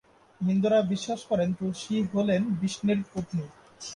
হিন্দুরা বিশ্বাস করেন, তুলসী হলেন বিষ্ণুর পত্নী।